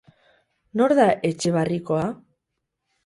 Nor da Etxebarrikoa?